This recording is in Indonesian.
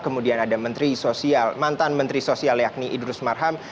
kemudian ada menteri sosial mantan menteri sosial yakni idrus marham